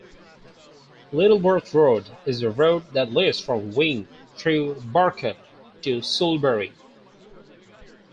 Littleworth Road is the road that leads from Wing through Burcott to Soulbury.